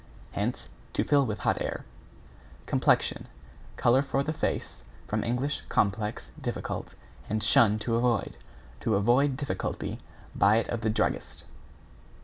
Hence, to fill with hot air. =COMPLEXION= Color for the face. From Eng. complex, difficult, and shun, to avoid. To avoid difficulty, buy it of the druggist.